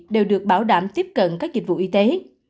đều được bảo đảm tiếp cận các dịch vụ y tế